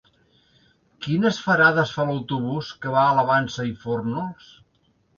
Quines parades fa l'autobús que va a la Vansa i Fórnols?